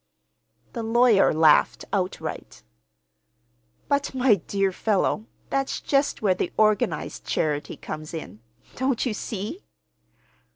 The lawyer laughed outright. "But, my dear fellow, that's just where the organized charity comes in. Don't you see?"